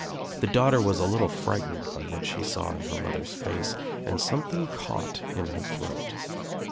The daughter was a little frightened by what she saw in her mother's face and something caught in her throat.